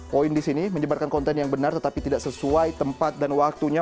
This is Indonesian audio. poin di sini menyebarkan konten yang benar tetapi tidak sesuai tempat dan waktunya